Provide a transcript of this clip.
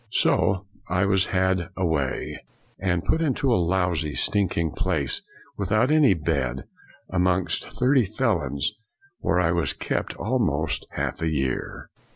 So I was had away, and put into a lousy, stinking place, without any bed, amongst thirty felons, where I was kept almost half a year."